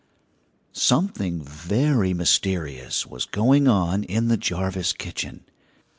Something very mysterious was going on in the Jarvis kitchen.